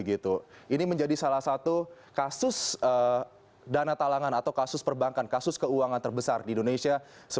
ini menjadi salah satu kasus dana talangan atau kasus perbankan kasus keuangan terbesar di indonesia